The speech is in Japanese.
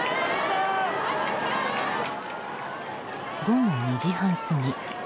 午後２時半過ぎ。